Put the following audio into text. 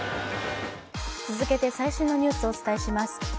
続けて最新のニュースをお伝えします。